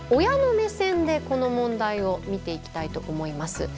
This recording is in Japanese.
親の目線でこの問題を見ていきたいと思います。